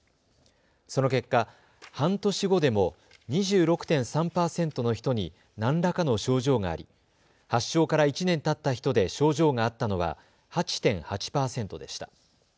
その結果、半年後でも２６．３％の人に何らかの症状があり発症から１年たった人で症状があったのは８．８％でした。